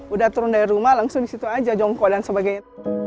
udah turun dari rumah langsung di situ aja jongko dan sebagainya